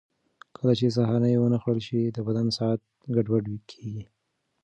کله چې سهارنۍ ونه خورل شي، د بدن ساعت ګډوډ کېږي.